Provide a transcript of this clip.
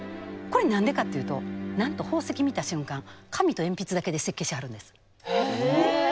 これ何でかっていうとなんと宝石見た瞬間紙と鉛筆だけで設計しはるんです。え！